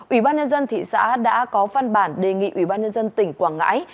ủy ban nhân dân thị xã đã có văn bản đề nghị ủy ban nhân dân tỉnh quảng ngãi